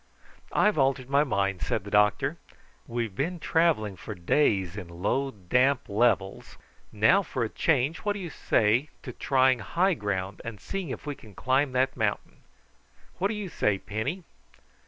"I've altered my mind," said the doctor. "We've been travelling for days in low damp levels; now for a change what do you say to trying high ground and seeing if we can climb that mountain? What do you say, Penny?"